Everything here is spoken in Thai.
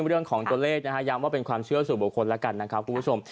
เรื่องของตัวเลขนะฮะย้ำว่าเป็นความเชื่อสู่บุคคลแล้วกันนะครับคุณผู้ชม